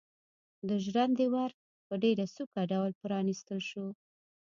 د ژرندې ور په ډېر سوکه ډول پرانيستل شو.